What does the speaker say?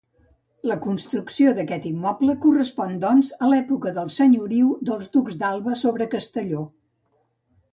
La construcció d'aquest immoble correspon doncs a l'època de senyoriu dels Ducs d'Alba sobre Castelló.